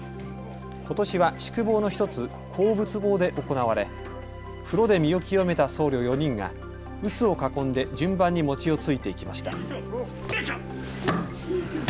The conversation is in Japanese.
ことしは宿坊の１つ、向佛坊で行われ風呂で身を清めた僧侶４人が臼を囲んで順番に餅をついていきました。